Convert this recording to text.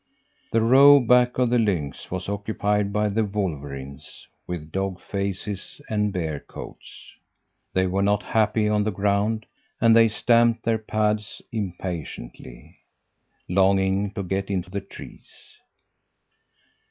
The row back of the lynx was occupied by the wolverines, with dog faces and bear coats. They were not happy on the ground, and they stamped their pads impatiently, longing to get into the trees.